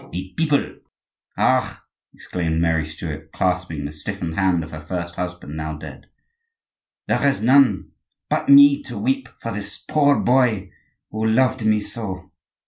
"The people!" "Ah!" exclaimed Mary Stuart, clasping the stiffened hand of her first husband, now dead, "there is none but me to weep for this poor boy who loved me so!"